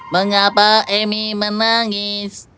mengapa emi menangis